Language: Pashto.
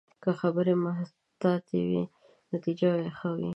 که خبرې محتاطې وي، نتیجه به ښه وي